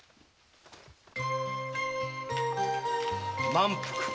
「満腹」